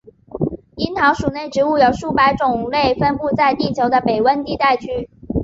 樱桃属内植物有数百种类分布在地球的北温带地区。